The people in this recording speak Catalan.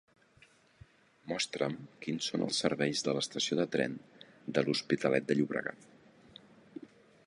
Mostra'm quins són els serveis de l'estació de tren de l'Hospitalet de Llobregat.